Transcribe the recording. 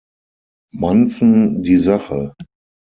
Munson die Sache.